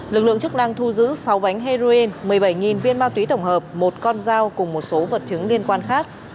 lực lượng chức năng thu giữ sáu bánh heroin một mươi bảy viên ma túy tổng hợp một con dao cùng một số vật chứng liên quan khác